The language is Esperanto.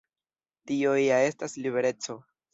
Tio ja estas libereco.